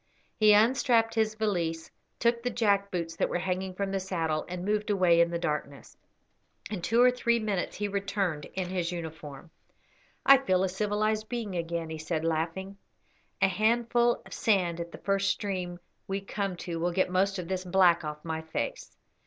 He unstrapped his valise, took the jack boots that were hanging from the saddle, and moved away in the darkness. In two or three minutes he returned in his uniform. "I feel a civilised being again," he said, laughing; "a handful of sand at the first stream we come to will get most of this black off my face.